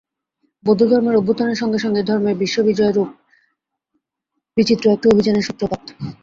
বৌদ্ধধর্মের অভ্যুত্থানের সঙ্গে সঙ্গেই ধর্মের বিশ্ববিজয়রূপ বিচিত্র একটি অভিযানের সূত্রপাত।